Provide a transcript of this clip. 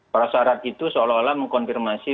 para syarat itu seolah olah mengkonfirmasi